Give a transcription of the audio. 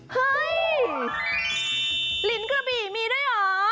เฮ้ยลินกระบี่มีด้วยเหรอ